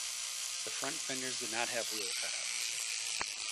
The front fenders did not have wheel cutouts.